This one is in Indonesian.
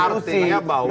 bukan artinya bahwa